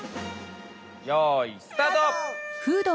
よいスタート！